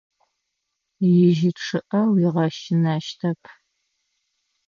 Ижьы чъыIэ уигъэщынэщтэп.